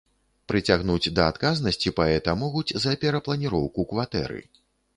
Прыцягнуць да адказнасці паэта могуць за перапланіроўку кватэры.